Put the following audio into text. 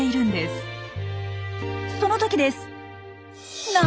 その時です！